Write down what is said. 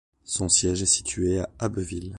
Son siège est situé à Abbeville.